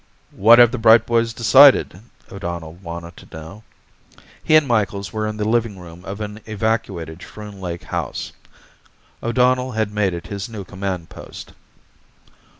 "What have the bright boys decided?" O'Donnell wanted to know. He and Micheals were in the living room of an evacuated Schroon Lake house. O'Donnell had made it his new command post.